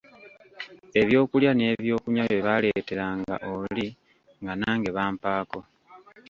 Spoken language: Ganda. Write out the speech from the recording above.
Ebyokulya n'ebyokunywa bye baaleeteranga oli nga nange bampaako.